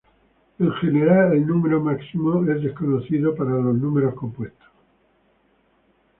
En general el número máximo es desconocido para los números compuestos.